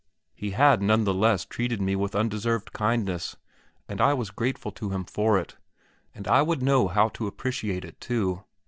He had none the less treated me with undeserved kindness, and I was grateful to him for it and I would know how to appreciate it too.